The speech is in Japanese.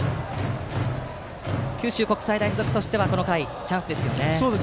九州国際大付属としてはこの回、チャンスですよね。